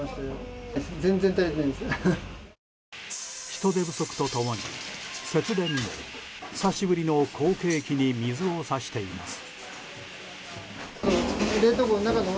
人手不足と共に節電も久しぶりの好景気に水を差しています。